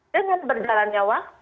dengan berjalan nyawa